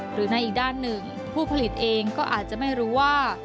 หรือในอีกด้านหนึ่งผู้ผลิตเองก็อาจจะไม่รู้ว่า